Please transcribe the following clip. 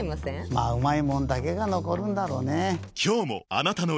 まぁうまいもんだけが残るんだろうねぇ。